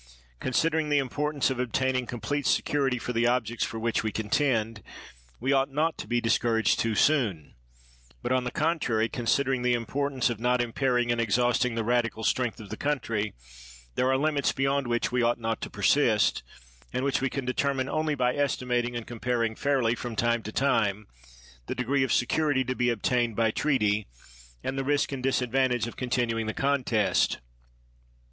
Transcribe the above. Considering the importance of obtaining complete security for the objects for which we contend, we ought not to be discouraged too soon ; but, on the contrary considering the importance of not impairing and exhausting the radical strength of the country, there are limits beyond which we ought not to persist, and which we can determine only by estimating and comparing fairly from time to time the degree of security to be obtained by treaty, and the risk and disadvantage of con tinuing the contest.